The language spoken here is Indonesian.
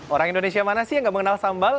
orang indonesia mana sih yang gak mengenal sambal